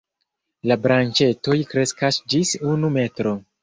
La branĉetoj kreskas ĝis unu metro.